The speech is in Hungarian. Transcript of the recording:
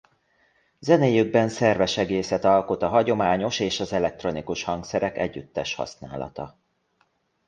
Zenéjükben szerves egészet alkot a hagyományos és az elektronikus hangszerek együttes használata.